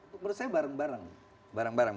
menurut saya bareng bareng